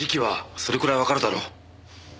それくらいわかるだろ？